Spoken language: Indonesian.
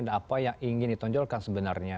dan apa yang ingin ditonjolkan sebenarnya